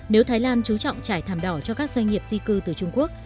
nếu thái lan chú trọng trải thảm đỏ cho các doanh nghiệp di cư từ trung quốc